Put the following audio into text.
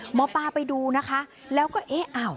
หมอปลาไปดูนะคะแล้วก็เอ๊ะอ้าว